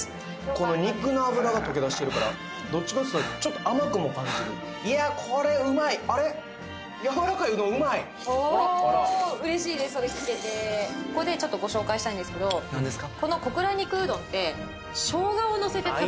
この肉の脂が溶け出してるからどっちかっていったらちょっと甘くも感じるいやこれうまいおおーうれしいですそれ聞けてここでちょっとご紹介したいんですけどなんですか？